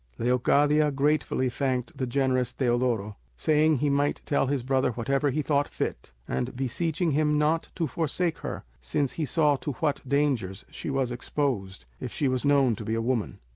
Leocadia gratefully thanked the generous Teodoro, saying he might tell his brother whatever he thought fit, and beseeching him not to forsake her, since he saw to what dangers she was exposed, if she was known to be a woman.